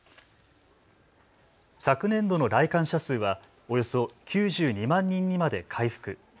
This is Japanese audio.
昨年度の来館者数はおよそ９２万人にまで回復。